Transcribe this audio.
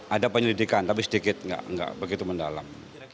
ada penyelidikan tapi sedikit nggak begitu mendalam